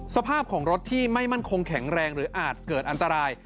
สภาพของรถที่ไม่มั่นคงแข็งแรงหรืออาจเกิดอันตราย